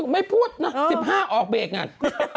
ไม่พูดนัดสิบห้าออกเบรกไง